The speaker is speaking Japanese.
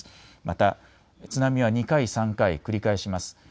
また津波は２回、３回繰り返します。